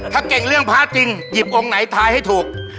ถ้าเก่งเรื่องพระจริงหยิบองค์ไหนทายให้ถูก